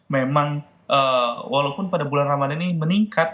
memang walaupun pada bulan ramadhan ini meningkat